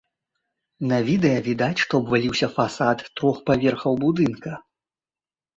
На відэа відаць, што абваліўся фасад трох паверхаў будынка.